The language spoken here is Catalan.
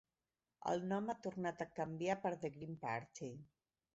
El nom ha tornat a canviar per The Green Party.